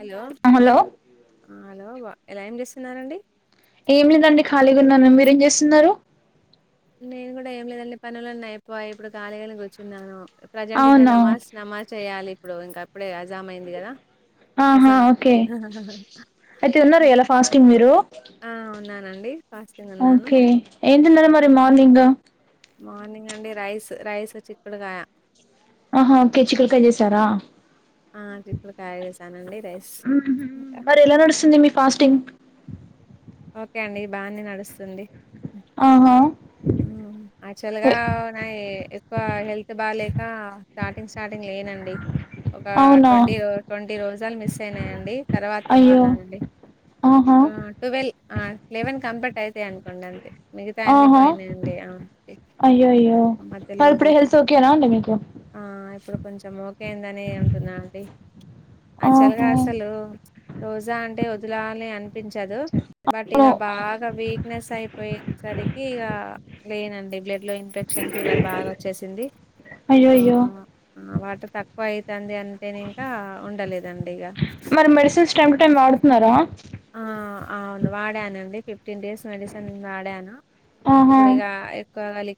Hello hello మ్ hello వ ఎలా ఏం చేస్తున్నరండి ఏం లేదండి ఖాళీగా ఉన్నాను మీరేం చేస్తున్నారు నేను కూడా ఏం లేదండి పనులు అన్ని అయిపోయ్ ఇప్పుడు కాలీగానే కూర్చున్నాను ప్రజెంట్ ఇంకా అవునా నమాజ్ నమాజ్ చేయాలి ఇప్పుడు ఇంకా అప్పుడే అజామ్ అయింది కదా ఆహా అజామ్ ఓకే అయితే ఉన్నారు ఈయల ఫాస్టింగ్ మీరు ఆ ఉన్నానండి ఫాస్టింగ్ ఉన్నాను ఓకే ఏం తిన్నారా మరి మార్నింగ్ మార్నింగ్ అండి రైస్ రైస్ చిక్కుడుకాయ ఆహా కే చికుడుకాయ చేసారా ఆ చికుడు కాయ చేసానండి రైస్ ఆహా ఇంకా మరి ఎలా నడుస్తుంది అండి ఫాస్టింగ్ ఓకే అండి బానే నడుస్తుంది ఆహా యాక్చువల్ గా ఎ ఓ నై క్ హెల్త్ బాలేక స్టార్టింగ్ స్టార్టింగ్ లేనండి ఒక అవునా ట్వంటీ ట్వంటీ రోజలు మిస్ అయినాయండి తర్వాత అయ్యో ఉంటున్నానండి ఆహా ఆ ట్వెల్వ్ ఆ లెవెన్ కంప్లీట్ అయితాయి అనుకోండి అంతే మిగతా అన్ని ఆహా పోయినాయండి అవున్ అయ్యో అయ్యో మరి ఇప్పుడు హెల్త్ ఓకేనా అండి మీకు ఆ ఇప్పుడు కొంచెం ఓకేందని ఉంటున్నా అండి అక్చుఅల్ ఆహా గా అసలు రోజా అంటే వదిలాలి అనిపించదు బట్ ఓ ఇక బాగా వీక్నెస్ అయి పోయేసరికి ఇగ లేనండి బ్లడ్ లో ఇన్ఫెక్షన్ ఫీవర్ బాగా వచ్చేసింది అయ్యో అయ్యో ఆహా వాటర్ తక్కువ అయితుంది అంటేనే ఇంకా ఉండలేదండి ఇగ మరి మెడిసిన్స్ టైమ్ టు టైమ్ వాడుతున్నారా ఆ అవును వాడానండి ఫిఫ్టీన్ డేస్ మెడిసిన్ వాడాను ఆహా ఇప్పుడు ఇగ ఎక్కువ కలి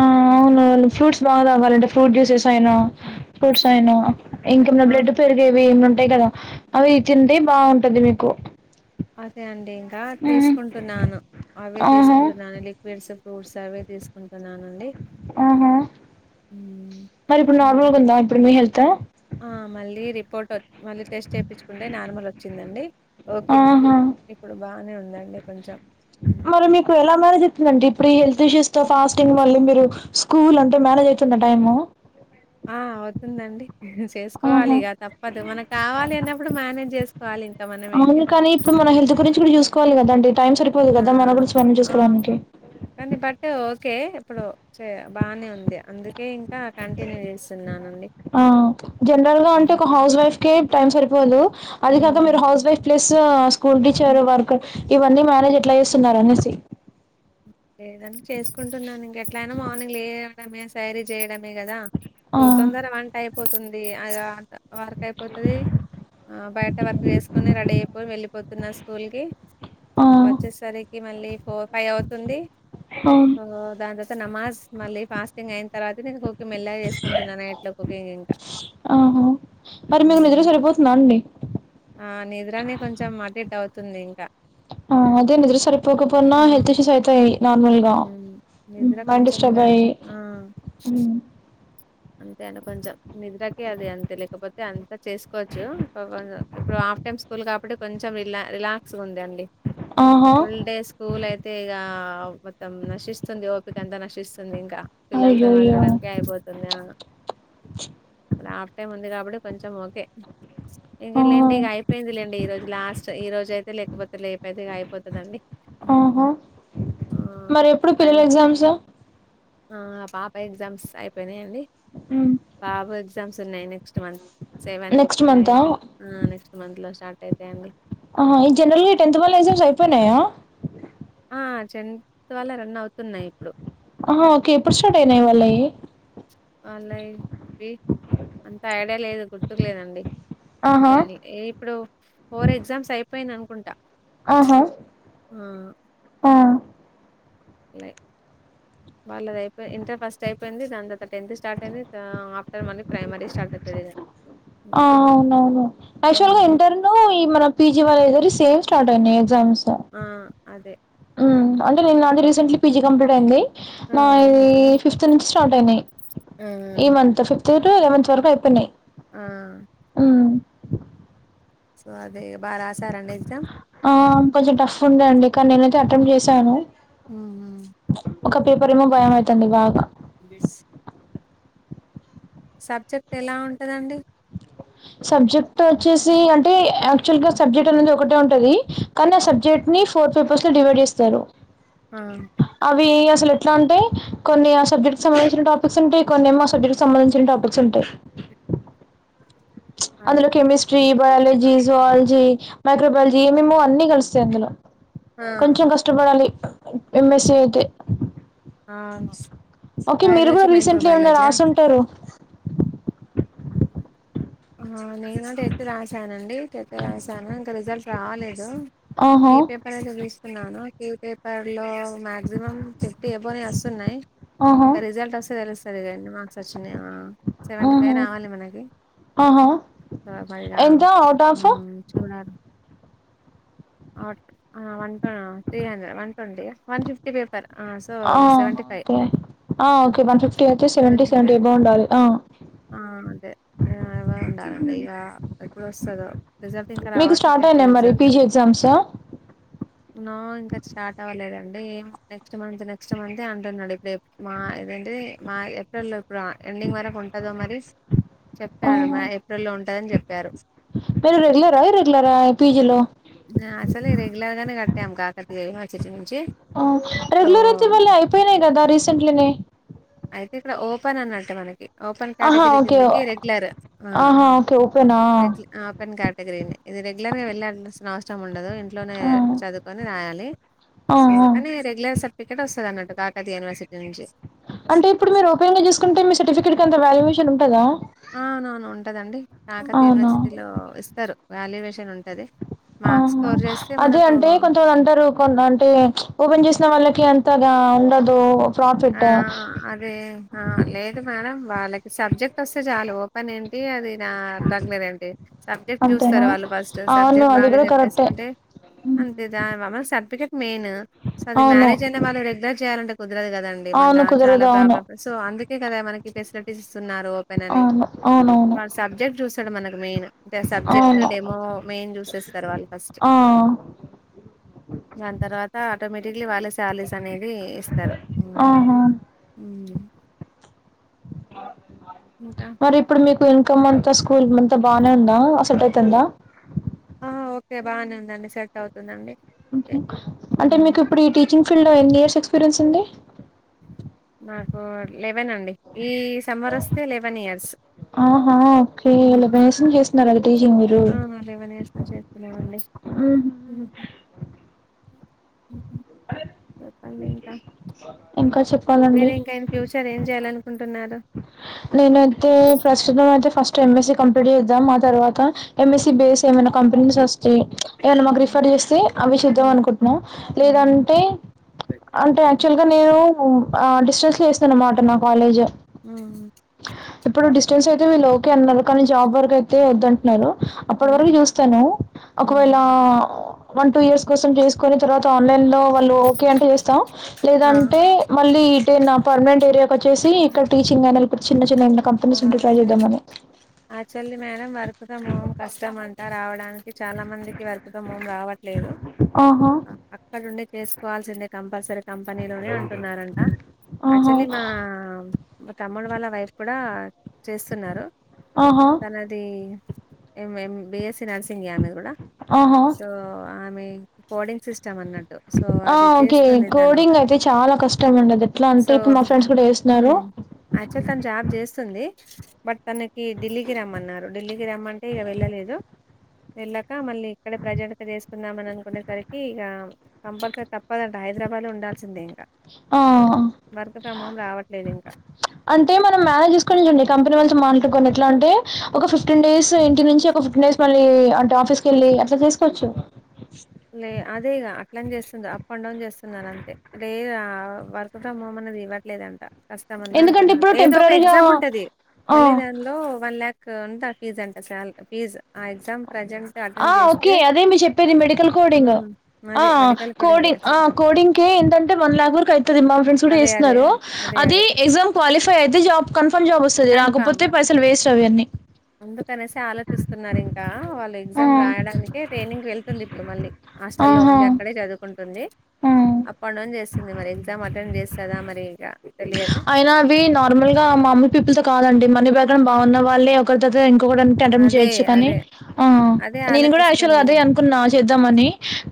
ఆ అవునువును ఫ్రూట్స్ బాగా తగాలండి ఫ్రూట్ జ్యూసెస్ టయినో హ్మ్. ఫ్రూట్స్ అయినో ఇంకేమ ఆ! బ్లడ్ పెరిగేవి ఏమన్నా డేటాడో అవి హ్మ్. తింటే బాగుంటది మీకు అదే అండి ఇంకా హ్మ్ తీసుకుంటున్నాను అవే ఆహా తీసుకుంటున్నాను లిక్విడ్స్ ఫూట్స్ అవే తీసుకుంటున్నానండి హ్మ్. మరిప్పుడు ఇంకా నార్మలాగుందా ఇప్పుడు మీ హెల్త్ ఫోటో మళ్ళీ టెస్ట్ చేపించుకుంటే నార్మల్ ఒచ్చిందండి ఓకే ఆహా ఇప్పుడు బాగనే ఉ ఉందండి కొంచం మరి మీకు ఎలా మానేజితుందండి ఇప్పుడీ హెల్ షేస్త ఫాస్టింగ్ మళ్ళి మీరు స్కూల్ అంటే మానేజ్ ఐతుంద టైమ్ తుందండి చేస్కోవాలి ఆహా ఇగ తప్పదు మనకు కావాలి అన్నప్పుడు మానేజ్ చేస్ అవును కానీ ఇప్పుడు మన హెల్త్ గురించి గుడ్ చూస్కోవాలి కదా అండి టైమ్ సరిపోదు ఆ! గదా మన గురించి మనం చూస్కోడానికి కే ఇప్పుడు చె బానే ఉంది అందుకే ఇంకా కంటిన్యూ చేసున్నా ఆ జనరల్ గా ఉంటే ఒక హౌస్ వైఫ్ కీ టైం సరిపోదు అది కాక మీరు హ్మ్. House wife plus school teacher హ్మ్. వర్క్ ఇవన్నీ మేనేజ్ ఎట్లా చేస్తునర్ అనేసి లేదని చేసుకుంటున్నాను ఇంక ఎట్లా అయినా మార్నింగ్ లేయడమే శారీ చేయడం మె కదా ఆ! సో తొందర వంట అయిపోతుంది ఇగ అ వర్క్ అయిపోతది ఆ బయట వర్క్ చేస్కొని రడీ అయిపోయి వెళ్ళలిపోతున్నా స్ కూల్ కి ఆ! వచ్చేసరికి మళ్ళీ ఫోర్ ఫైవ్ అవుతుంది అవును. ఆ దాని తర్వాత నమాజ్ మళ్ళీ ఫాస్టింగ్ అయిన్ తర్వాత న మెల్ల చేసుకుంటున్న నైట్ల కుకింగ్ ఇంకా ఆహా! మరి మీకు నిద్ర సరిపోతుందా అండి? ఆ నిద్రనె కొంచెం అటిట్ అవ్ తుంది ఇంక ఆ అదేనిద్ర సరిపోకపొన్నా హెల్త్ ఇష్యూస్ అయితయ్ మ్ నిద్ర కొంచెం డిస్టర్బ్ ఇగా అయ్యి. ఆ హ్మ్. అంతె అండి కొంచెం నిద్ర అది అంతే లేకపోతే అంతా చేసుకోవచ్చు ఇప్పుడు హాఫ్ టైమ్ స్కూల్ కాబట్టి కొంచెం ఇలా రిలాక్స్ ఉంది అండి ఆహా! ఫుల్ డే స్కూల్ అయితే ఇగా మొత్తం నశిస్తుంది ఓపిక అంత నశిస్తుంది ఇంక్ పిల్లల్తో అయ్యయ్యో! అదలడానికే అయిపోతుంది ఇప్పు ఆఫ్ టై ముందిగా పుడు కొంచెం ఓకే ఇంక ఆ! లేండి ఇగ అయిపోయింది లేండి ఈ రోజ్ లాస్ట్ ఈ రోజా అయితే లేక్పోత్ లేపోతేగా అయిపోతదండి ఆహా! ఆ మరెప్పుడు పిల్లల్ మళ్ళీ ఎగ్జామ్సు ఆ పాప ఎగ్జామ్స్ అయిపోయినయండి హ్మ్. బాబు ఎగ్జామ్స్ ఉన్నయ్ నెక్స్ట్ మంత్ సెవెన్ నెక్స్ట్ మంతా? నైన్ అ నెక్స్ట్ మంత్ లో స్టార్ట్ అయితయండి ఆ ఈ జనరల్ గా టెన్త్ వాళ్ళ ఎగ్జామ్స్ అయిపోయినయా ఆ చెంత్ వల రన్ అవుతున్నాయ్ ఇప్పుడు ఆహా ఓకే ఇప్పుడ్ స్టార్ట్ అయినయా వాళ్ళయీ వాళ్ళయా అంత ఐడియా లేదు గుర్తుక్లేదండి ఆహా ఎ ఇప్పుడూ ఫోర్ ఎగ్జామ్స్ అయిపోయ్ అనుకుంటా ఆహా ఆ ఆ మీ వాళ్ళుద్ అయిపోయి ఇంటర్ ఫస్ట్ అయిపోయింది దాని తర్వాత టెన్త్ స్టార్ట్ అయింది ఆఫ్టర్ మల్లీ ప్రైమరీ స్టార్ట్ ఐతది ఆ అవునవును యాక్చువల్ గా హ్మ్ ఇంటర్ నూ ఈ మన పీజీ వాల్లయ్ గుడ సేం స్టార్ట్ అయినాయ్ ఎగ్జామ్స్ ఆ అదే అంటేనె నాది రీసెంట్లీ పీజీ కంప్లీట్ అయింది ఆ మా ఓకే ఇదీ మేడం ఫిఫ్త్ నుంచి స్టార్ట్ అయినయ్ ఆ ఈ month fifth two two eleventh వరకు అయ్ పోయినయ్ ఆ అ సో అదే బా రాశారండి ఎగ్జామ్ ఆ కొంచెం టఫ్ ఉండే అండి కానీ నేనైతే అటెంప్ట్ చేశాను అవునా ఒక పేపర్ ఏమో భయం అయితంది బాగా బిస్.. సబ్జెక్ట్ ఎలా ఉంటందండి సబ్జెక్ట్ వచ్చేసి అంటే యాక్చువల్ గా సబ్జెక్ట్ అనేది ఒకటే ఉంటది కానీ ఆ సబ్జెక్ట్ ని ఫోర్ పేపర్స్ లో డివైడ్ చేస్తారు ఆ అవి అసలు ఎట్లా అంటే కొన్ని ఆ సబ్జెక్ట్ సంబంధించిన టాపిక్స్ ఉంటాయి కొన్ని ఏమో సబ్జెక్ట్ సంబంధించని టాపిక్స్ ఉంటాయి [unintelligible] అదే అందులో కెమిస్ట్రీ బయాలజీ జుయాలజీ మైక్రోబయాలజీ ఏమేమో అన్నీ కలుస్తాయి అందులో ఆ కొంచెం కష్టపడాలి ఎమ్ ఎస్సి అయితే ఆ ఓకే మీరు బయాలజీ కూడా రీసెంట్లీ ఏమైనా మైక్రోబయలజా రాసుంటారు ఆ నేను టెన్త్ రాసానండి టెన్త్ రాసాను ఇంకా రిజల్ట్ రాలేదు ఆహా ఏ పేపర్ చదివిస్తున్నాను ఎ పేపర్లో మాక్సిమమ్ ఫిఫ్టీ ఎబౌనే వస్తున్నాయి ఆహా ఇంకా రిజల్ట్ వస్తే తెలుస్ ఆ రోజు ఎన్ని మార్క్స్ వచ్చినయా సెవెంటీ ఆహా ఫైఫ్ రావాలి మనకి ఆహా రాఫైడా ఎంత అవుట్ ఆఫ్ మ్మ్ చూడాలి ఆ ఆ వన్ టెన్ ఆ three hundred one ట్వంటీఆ one fifty paper so ఆ సెవెంటీ ఫైవ్ ఓకే ఆ ఓకే వన్ ఫిఫ్టీ అయితే సెవెంటీ సెవెంటీ ఎబౌ ఉండాలి ఆ దే అవే ఉండాలండిగా ఎప్పుడు వస్తదో మీకు స్టార్ట్ అయినీయ్ మరి పీజీ ఎగ్జామ్స్ ఆ నో ఇంకా స్టార్ట్ అవ్వలేదండి నెక్స్ట్ మంత్ నెక్స్ట్ మంత్ ఎ అంటున్నాడు ఇదే మారె ఇది ఏప్రిల్ ఇప్ర ఎండింగ్ వరకు ఉంటంద మరి చెప్పారు మ ఏప్రిల్లో ఉంటందని చెప్పారు మీరు రెగ్యులర్ ఆ ఇర్రెగ్యులర్ పీజీలో టైమ్ కాకతీ హచి రెగ్యులర్ అయితే మళ్ళ అయిపోయినాయి కదా రీసెంట్లీనే అయితే ఇక్కడ ఓపెన్ అన్నట్టు మనకి ఓపెన్ ఆహా కేటగిరీ ఓకే కిందకి రెగ్యులర్ ఆ ఆహా ఓకే ఓపెనా రె గ్లు ఆపెన్ కేటగిరీ అండి ఇది రెగ్యులర్ గా వెళ్ళాల్సిన అవసరం ఉ ఇంట్లోనే ఆ చదువుకొని రాయాలి ఆ సో ఆ కానీ రె టికెట్ వస్తది అన్నట్టు కాకతీయ యూనివర్సిటీ నుంచి అంటే ఇప్పుడు మీరు ఓపెన్ గా చేసుకుంటే మీ సర్టిఫికేట్ కంత వ్యాల్యువేషన్ ఉంటుందా ఆ అవునవును ఉంటదండి కాకతి అవునా యూనివర్సిటీలో ఇస్తారు వాల్యూవేషన్ ఉంటది ఆ మార్క్స్ స్కోర్ చేస్తే అదే మనకు అంటే కొంతమంది అంటారు కొ అంటే ఓపెన్ చేసిన వాళ్ళకి అ తగా ఉండదు ఆ ప్రాఫిట్ అదే ఆ లేదు మేడం వాళ్ళకి సబ్జెక్ట్ వస్తే చాలా ఓపెన్ ఏంటి అది ఆ దాన్ మీద ఏంటి సబ్జెక్ట్ అంతేనా చూస్తారు వాళ్ళు ఫస్ట్ అవును సబ్జెక్ట్ అది బాగా కూడా కరెక్టే చెప్పేసుకుంటే అంతే దాన్మమ సర్టిఫికెట్ మెయిన్ సో అది అవును మ్యారేజ్ అయిన వాళ్ళు రెగ్యులర్ చేయాలంటే కుదరదు కదండి ఏమన అవును చాలా కుదరదు అవును ప్రాబ్లమ్ సో అందుకే కదా మనకి ఫెసిలిటీస్ ఇస్తున్నారు ఓపెన్ అని అవును అవునవును వాడు సబ్జెక్ట్ చూసాడు మనకు మెయిన్ అంటే ఆ సబ్జెక్ట్ అవును డెమో మెయిన్ చూసేస్తారు వాళ్ళు ఫస్ట్ ఒ దాని తర్వాత ఆటోమేటిక్లీ వాళ్ళ శాలరీస్ అనేది ఇస్తారు ఆహా మ్మ్ మరి ఇప్పుడు మీర్ ఇన్కమ్ అంతా స్కూల్ అంతా బాగానే ఉందా అసెట్టు అయితందా ఎ బానే ఉందండి సెట్ అవుతుందండి ఓకే. అంటే హ్మ్ మీకు ఇప్పుడు ఈ టీచింగ్ ఫీల్డ్ లో ఎన్ని ఇయర్స్ ఎక్స్పీరియన్స్ ఉంది మాకు లేవెన అండి ఈ సెమ్మర్ వస్తే లెవెన్ ఇయర్స్ ఆహా ఓకే లెవెన్ ఇయర్స్ నుంచి చేస్తున్నారు అది టీచింగ్ మీరు ఆలివన్సం చేస్తున్నామండి హుహు. చూప్పండి ఇంకా ఇంకా చెప్పాలండి మీరు ఇంకాయన ఫ్యూచర్ ఏం చేయాలనుకు ఉంటునా రా నేనైతే ప్రస్తుతం అయితే ఫస్ట్ ఎంఎస్సి కంప్లీట్ చేద్దాం ఆ తర్వాత ఎంఎస్సి హ్మ్. బేస్ ఏమైనా కంపెనీస్ వస్తాయి ఏమైన్నా మాకు హ్మ్. రిఫర్ చేస్తే అవి చేద్దాం హ్మ్. అనుకుంటున్నాం హ్మ్. లేదంటే అంటే యాక్చువల్ గా నేను డిస్టెన్స్ లో వేస్తాను అన్నమాట నా కాలేజ్ ఆ స్టెంట్స్ అయితే వీళ్ళ ఓకే అన్నారు కానీ జాబ్ వరకు అయితే వద్దంటున్నారు అప్పటి హ్మ్. వరకు చూస్తాను హ్మ్. ఒకవేళ వన్ టూ ఇయర్స్ కోసం చేసుకుొని తర్వాత ఆన్లైన్ లో వాళ్ళు ఓకే అంటే చేస్తాం ఆ! లేదంటే మళ్ళీ నా పర్నమెం ఏరియాకి వచ్చేసి ఇక్కడ టీచి అన చిన్న చిన్న ఏమైనా కంపెనీస్ ఉంటే ట్రై ఆే చేద్దామని ఆచల్లి మేడం వర్క్త మం కష్టం అంతా రావడానికి చాలా మందికి వర్క్ ఫ్రం హోం రావట్లేదు ఆహా అక్కడ ఉండే చేసుకోవాల్సిందే కంపల్సరీ కంపెనీలోనే అంటున్నారంట ఆహా యాక్చువలీ మా తమ్ముడు వాళ్ళ వైఫ్ కూడా చేస్తున్నారు ఆహా తనది ఎం ఎం బీఎస్సీ నర్సింగ్మె ఆమె కూడా ఆహా సో ఆమె కోడింగ్ సిస్ ఆ ఓకే తను కోడింగ్ అయితే చాలా కష్టం ఉండదు ఎట్లా అంటే ఇప్పుడు మా ఫ్రెండ్స్ కూడా వస్త ఉమఅచ తను జాబ్ చేస్ వస్తుంది బట్ తనకి ఢిల్లీకి రమ్మన్నారు ఢిల్లీకి రమ్మంటే వెళ్ళలేదు వెళ్ళాక మళ్ళీ ఇక్కడే ప్రజెంట్ తీసుకుందామని అనుకునేసరికి ఇక కంపల్సరీ తప్పదండి హైదరాబాద్ ఉడాల్సిందేం ఆ రావట్లేదు ఇంకా అంటే మనం మేనేజ్ స డి కంపెనీ వాళ్తో మాట్లాడుకుని ఎట్లా అంట ఒక ఫిఫ్టీన్ డేస్ ఇంటి నుంచి ఒక ఫిఫ్టీన్ డేస్ మళ్ళ అ ఆఫీస్కె వెళ్ళి అట్లా చేసుకోవచ్చు లే అదేగా అట్లని చేస్తుంది అప్ అండ్ డౌన్ చేస్తున్నారు అంతే రే వర్క్ ఫ్రమ్ హోమ్ ఇవ్వట్లేదంట కష్టమంద ఎందుకంటే అంటున్నారు ఇప్పుడు ఏదో ఒక టెంపరరీగా ఎగ్జామ్ ఉంటది ఆ! మళ్ళీ దానిలో వన్ లక్ ఉ ఫీజ్ అంట చాలా ఫీజ్ ఆ ఎగ్జామ్ ప్రజెంట్ ఆ! అటెండ్ చేస్తే ఓకే. అదే మీరు చెప్పేది మెడికల్ కోడింగ్ హ్మ్. అదే మెడికల్ కోడింగే. అకోడింగ్ సో అకోడింగ్ క ఏంటంటే వన్ లాక్ వరకు అవుతుది మా ఫ్రెండ్స్ అదే అదే. కూడా అదే అది అదే. ఎగ్జామ్ క్వాలిఫై అయితే జాబ్ కన్ఫర్మ్ జాబ్ వస్తుంది కన్ఫర్మ్. రాకపోతే పైసల్ వేస్ట్ చవన్ని వాళ్ళ ఆ! ఎగ్జామ్ రాయడానినికె ట్రైనింగ్ వెళ్తుంది ఇప్పుడు మళ్ళీ హాస్టల్లో ఆహా! ఉంది అక్కడే చదువుకుంటుంది హ్మ్. అప్ అండ్ డౌన్ చేస్తుంది మరి ఎగ్జామ్ అటెండ్ చేస్తుందా మరి ఇక అయిన అవి నార్మల్ గా మమ్మీ పీపుల్ త కాదండి మనీ పకం బాగున్న వాళ్ళ ఒకరి దగ్గర అదే చేయొచ్చు కానీ అదే. అదే నేను కూడా అక్చుఅల్ ఆలోచిస్తుంది. అదే అనుకున్నా చేద్దాని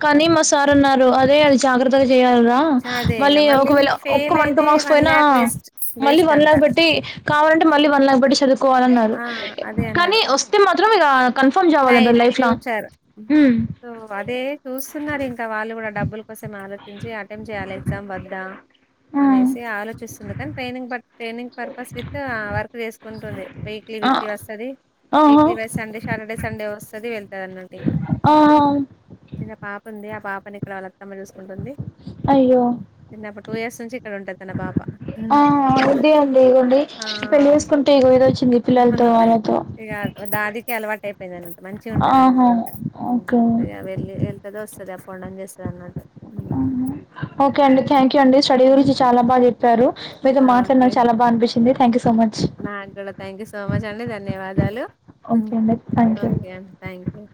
అ మా సార్ ఉన్నారు అదే అ జాగ్రత్తగా చేయాలరా అచ్చా అదే ఇగ మళ్ళీ ఒకవేళ ఒక్కూ ఫెయిల్ మత్ అయితే పోయినా వేస్ట్ మళ్ళీ వేస్ట్ వన్ అంట. లాక బట్టి కావాలంటే మళ్ళీ వన్లాక బట్టి చదువు కోవాలన్నారు ఆ! అదే కానీ అన్నారు. వస్తే మాత్రం ఇక కన్ఫర్మ్ చేవాలన్నారు లైఫ్ లాంగ్ ఉమ్ సో అదే చూస్తున్నారు ఇంకా వాళ్ళు కూడా డబ్బుల కోసం ఆలోచించి అటెంప్ట్ చేయాలి ఎగ్జామ్ వద్ద ఆ! అనేసి ఆలోచిస్తుంది కానీ training training purpose with work చేసుకుంటుంది వీక్లీ ఆ! వీక్లీ వస్తుంది ఆహా! వీక్లీ వై సండే సాటర్డే సండే వస్తుది వెళ్ కదన్నట్ ఇంకా ఆహా! చిన్న పాప ఉంది ఆ పాపని ఇక్కడ వాళ్ళ అత్తమ్మ చూసుకుంటుంది అయ్యో! చిన్నప్పుడు టూ ఇయర్స్ నుంచి ఇక్కడ ఉంటాది తన పాప ఆ ఇదే అండి ఇగోండి పెళ్లి చేేసుకుంటే ఇగో ఇది వచ్చింది పిల్లలతో వాళ్ళతో ఇక దాదికి అలవాటు అయిపోయింది అనట మంచిగ ఉంటది అన్నమాట ఆహా ఇంకా ఓకే ఇక వెళ్ళి వెళ్తుద వస్తుంది అసలే అప్ అండ్ డౌన్ చేస్తారు అన్నా ఓకే అండి, థ్యాంక్ యూ అండి, స్టడీ హ్మ్. గురించి చాలా బా జేప్పారు. మీతో మాట్లాడిన, చాల బా అనిపింది. థ్యాంక్ సో మచ్ నాక్ గుడా థ్యాంక్ యూ సో మచ్ అండి, ధన్యవాదాలు. ఓకే అండి థ్యాంక్ యూ ఓకే అండి థ్యాంక్ యు.